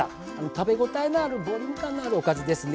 食べ応えのあるボリューム感のあるおかずですね。